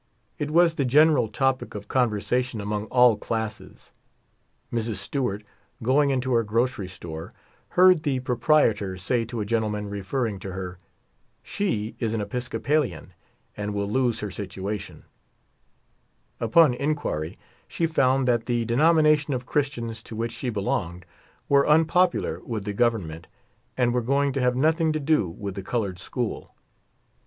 It was the gen eral topic of conversation among all classes. Mrs, Stew art, going into her grocery store, heard the proprietor say to a gentleman, referring to her, "She is an "Episcopalian, and will lose her situation," Upon inquir}'^ she found that the denomination of Christians to which she belonged were unpopular with the Government, and were going to have nothing to do with the colored school.